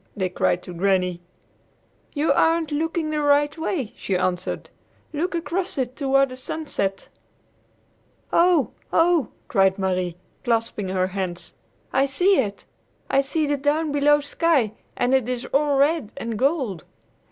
they cried to Granny. "You aren't looking the right way," she answered. "Look across it toward the sunset." "Oh! Oh!" cried Marie, clasping her hands; "I see it! I see the down below sky, and it is all red and gold!"